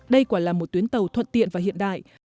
đây quả là một tuyến tàu thuận tiện và hiện đại